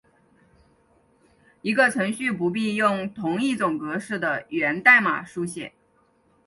一个程序不必用同一种格式的源代码书写。